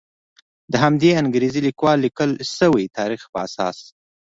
د همدې انګریز لیکوالو لیکل شوي تاریخ په اساس.